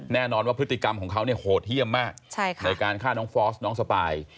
แน่นอนว่าพฤติกรรมของเขาเนี่ยโหดเยี่ยมมากในการฆ่าน้องฟอสน้องสปาย